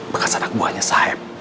bekas anak buahnya saheb